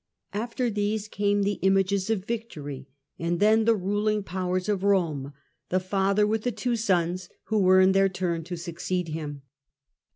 After these came the images of victory, and then the ruling powers of Rome, the father with the two sons who were in their turn to succeed him.